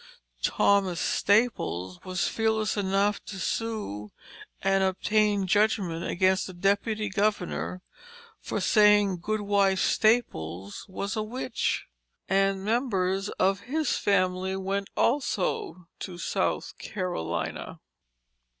Thomas Staples was fearless enough to sue and obtain judgment against the Deputy Governor for saying Goodwife Staples was a witch, and members of his family went also to South Carolina.